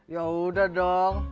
ya udah dong